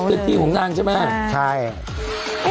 เป็นที่ของนางใช่ไหม